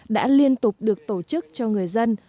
đã liên tục được tổ chức cho người dân